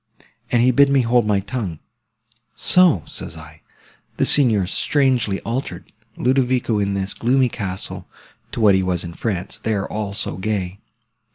And he bid me hold my tongue. So, says I, the Signor's strangely altered, Ludovico, in this gloomy castle, to what he was in France; there, all so gay!